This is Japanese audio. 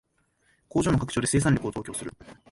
工場の拡張で生産力を増強する